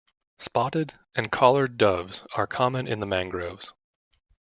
Spotted and collared doves are common in the mangroves.